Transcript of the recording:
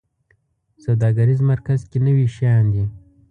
سوداګریز مرکز کې نوي شیان دي